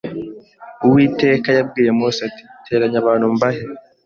Uwiteka yabwiye Mose ati Teranya abantu mbahe